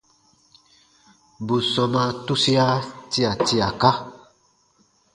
Bù sɔmaa tusia tia tiaka.